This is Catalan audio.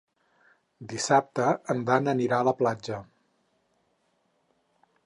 Dissabte en Dan anirà a la platja.